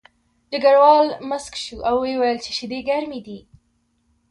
ډګروال موسک شو او ویې ویل چې شیدې ګرمې دي